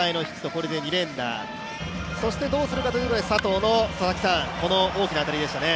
これで２連打、そして、どうするかということで佐藤の、この大きな当たりでしたね